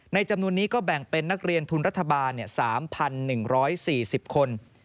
จำนวนนี้ก็แบ่งเป็นนักเรียนทุนรัฐบาล๓๑๔๐คน